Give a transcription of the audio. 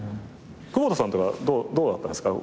窪田さんとかどうだったんすか？